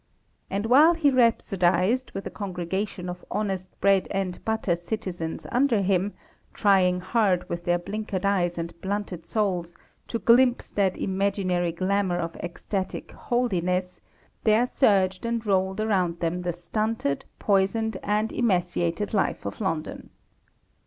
And while he rhapsodised, with a congregation of honest bread and butter citizens under him, trying hard with their blinkered eyes and blunted souls, to glimpse that imaginary glamour of ecstatic "holiness," there surged and rolled around them the stunted, poisoned, and emaciated life of London.